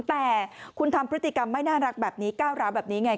แต่คุณทำพฤติกรรมไม่น่ารักแบบนี้ก้าวร้าวแบบนี้ไง